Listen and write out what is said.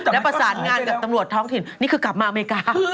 แล้วประสานงานกับตำรวจท้องถิ่นนี่คือกลับมาอเมริกา